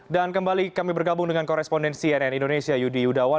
dan kembali kami bergabung dengan korespondensi nn indonesia yudi yudawan